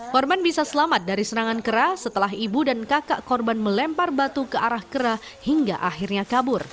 korban bisa selamat dari serangan kera setelah ibu dan kakak korban melempar batu ke arah kera hingga akhirnya kabur